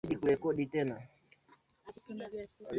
Ikijumuisha utaratibu kama vile Kamati ya Vyombo vya Habari ya Chama